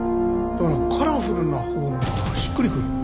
だから「カラフル」なほうがしっくりくる。